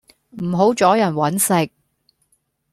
唔好阻人搵食